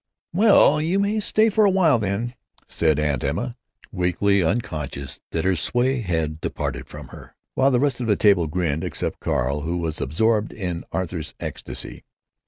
"Well, you may stay for a while, then," said Aunt Emma, weakly, unconscious that her sway had departed from her, while the rest of the table grinned, except Carl, who was absorbed in Arthur's ecstasy.